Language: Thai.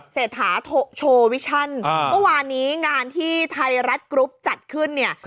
เศรษฐาโชว์วิชั่นเมื่อวานนี้งานที่ไทยรัฐกรุ๊ปจัดขึ้นเนี่ย